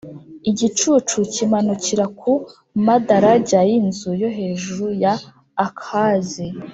Igicucu kimanukira ku madarajya y’inzu yo hejuru ya Akhazi,